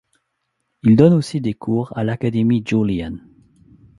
Il donne aussi des cours à l’Académie Julian.